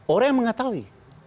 orang yang mengataui